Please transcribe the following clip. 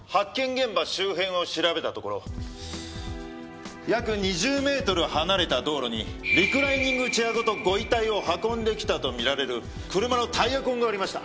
現場周辺を調べたところ約２０メートル離れた道路にリクライニングチェアごとご遺体を運んできたとみられる車のタイヤ痕がありました。